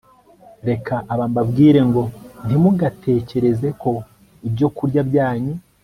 Reka aba mbabwire ngo Ntimugatekereze ko ibyokurya byanyu